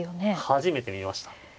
初めて見ました。